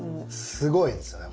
すごいですよね。